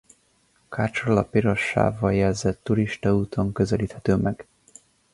Kácsról a piros sávval jelzett turistaúton közelíthető meg.